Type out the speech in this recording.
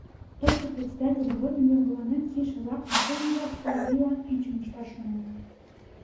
Тошто председатель годым йогыланен кийыше-влак, мошенник-влак Плагийлан ӱчым ышташ шонат.